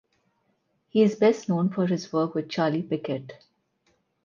He is best known for his work with Charlie Pickett.